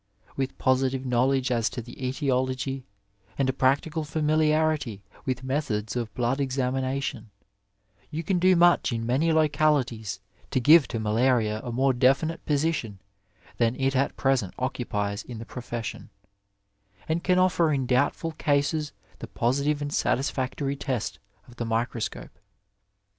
With positive know 114 Digitized by VjOOQiC THE ARMY SURGEON ledge as to the etiology, and a practical familiarity with methods of blood ezamination, you can do much in many localities to give to malaria a more definite position than it at present occupies in the profession, and can offer in doubtful cases the positive and satisfactory test of the microscope.